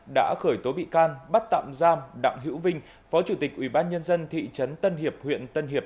đã khởi tố bị can bắt tạm giam đặng hữu vinh phó chủ tịch ubnd thị trấn tân hiệp huyện tân hiệp